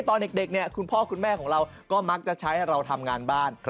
ตอนเด็กเนี่ยคุณพ่อคุณแม่ของเราก็มักจะใช้เราทำงานบ้าน